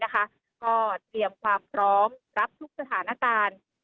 ก็เตรียมความพร้อมรับทุกสถานการณ์